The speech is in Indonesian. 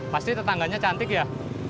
pasti tetangganya cantik ya